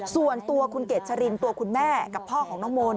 ส่วนตัวคุณเกดชรินตัวคุณแม่กับพ่อของน้องโม